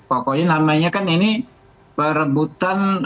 pokoknya namanya kan ini perebutan